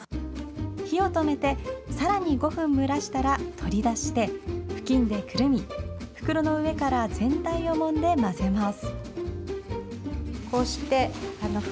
火を止めてさらに５分蒸らしたら取り出して布巾でくるみ袋の上から全体をもんで混ぜます。